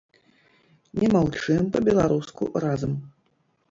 Не маўчым па-беларуску разам!